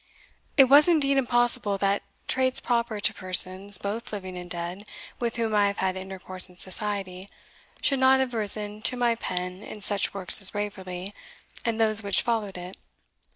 It was indeed impossible that traits proper to persons, both living and dead, with whom I have had intercourse in society, should not have risen to my pen in such works as Waverley, and those which followed it.